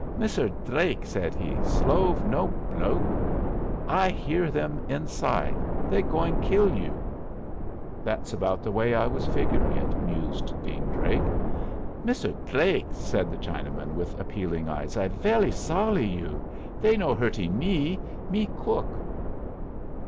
"Misser Dlake," said he, "slove no bloke. I hear them inside. They going kill you." "That's about the way I was figuring it," mused Dean Drake. "Misser Dlake," said the Chinaman, with appealing eyes, "I velly solly you. They no hurtee me. Me cook."